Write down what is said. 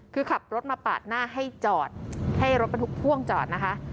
คือขับรถมาปาดหน้าให้จอดให้รถบรรทุกพ่วงจอดนะคะ